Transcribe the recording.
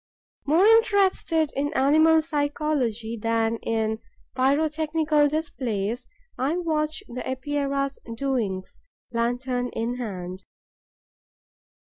More interested in animal psychology than in pyrotechnical displays, I watch the Epeira's doings, lantern in hand.